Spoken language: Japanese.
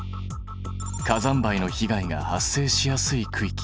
火山灰の被害が発生しやすい区域。